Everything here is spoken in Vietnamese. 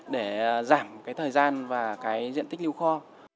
để giảm thời gian và diện tích lưu kho